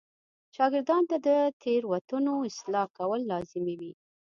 شاګردانو ته د تېروتنو اصلاح کول لازمي و.